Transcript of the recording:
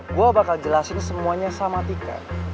gue bakal jelasin semuanya sama tiket